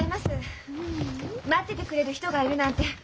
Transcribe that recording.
待っててくれる人がいるなんて